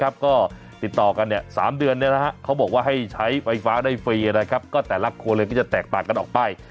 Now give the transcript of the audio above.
ก็ติดต่อกัน๓เดือนเขาบอกว่าให้ใช้ไฟฟ้าได้ฟรีก็แต่ละครัวเรือนก็จะแตกต่างกันออกไป